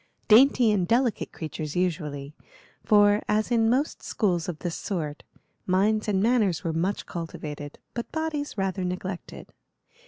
Dainty and delicate creatures usually, for, as in most schools of this sort, minds and manners were much cultivated, but bodies rather neglected.